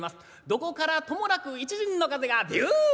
どこからともなく一陣の風がビュ！